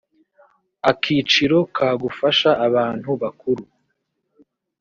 akiciro ka gufasha abantu bakuru